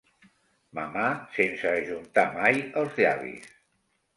Mamar sense ajuntar mai els llavis.